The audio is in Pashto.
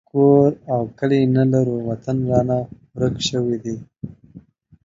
کور او کلی نه لرو وطن رانه ورک شوی دی